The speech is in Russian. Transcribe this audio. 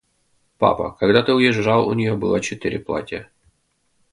Папа, когда ты уезжал, у нее было четыре платья.